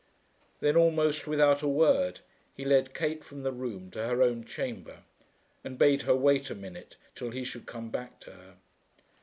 Then, almost without a word, he led Kate from the room to her own chamber, and bade her wait a minute till he should come back to her.